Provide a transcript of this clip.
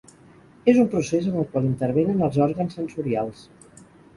És un procés en el qual intervenen els òrgans sensorials.